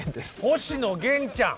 星野源ちゃん。